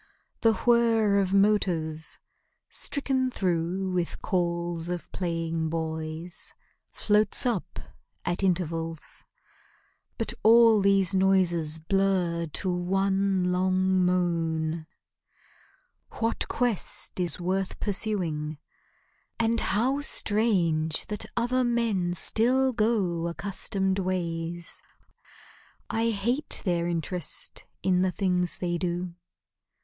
The whir of motors, stricken through with calls Of playing boys, floats up at intervals; But all these noises blur to one long moan. What quest is worth pursuing? And how strange That other men still go accustomed ways! I hate their interest in the things they do.